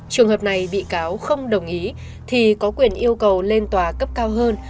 trường hợp này bị cáo không đồng ý thì có quyền yêu cầu lên tòa cấp cao hơn